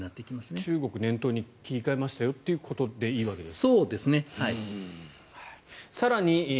中国を念頭に切り替えましたよということでいいわけですか。